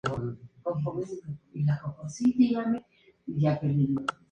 Durante la guerra fue arrestado y deportado al campo de concentración de Buchenwald.